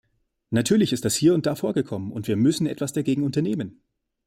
Natürlich ist das hier und da vorgekommen, und wir müssen etwas dagegen unternehmen.